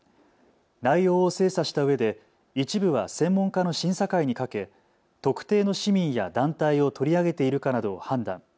内容を精査したうえで一部は専門家の審査会にかけ特定の市民や団体を取り上げているかなどを判断。